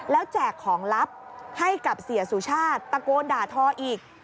แล้วแจกของลับให้กับเสียสุชาติตะโกนด่าทออีก